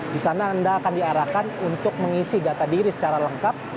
di sana anda akan diarahkan untuk mengisi data diri secara lengkap